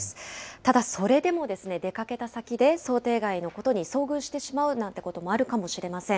ただそれでも、出かけた先で、想定外のことに遭遇してしまうなんてこともあるかもしれません。